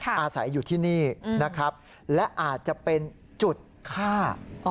อาศัยอยู่ที่นี่นะครับและอาจจะเป็นจุดฆ่า